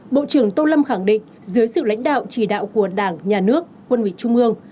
bộ trưởng tô lâm khẳng định dưới sự lãnh đạo chỉ đạo của đảng nhà nước quân ủy trung ương